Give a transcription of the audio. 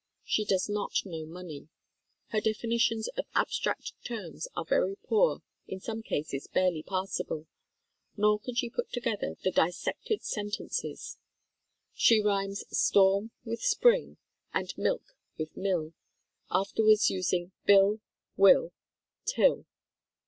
She does not know money. Her definitions of abstract terms are very poor, in some cases barely passable, nor can she put together the dis sected sentences. She rhymes "storm" with "spring," and "milk" with "mill," afterwards using "bill," "will," "till."